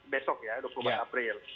besok ya dua puluh empat april